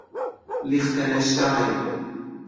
لیختن اشتاین